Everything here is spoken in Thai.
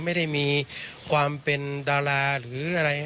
ไม่ได้มีความเป็นดาราหรืออะไร